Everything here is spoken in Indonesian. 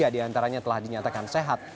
dua puluh tiga diantaranya telah dinyatakan sehat